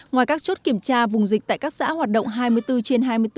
ngoài các chốt kiểm tra vùng dịch tại các xã hoạt động hai mươi bốn trên hai mươi bốn